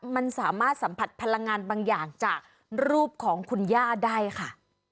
มันสามารถสัมผัสพลังงานบางอย่างจากรูปของคุณย่าได้ค่ะ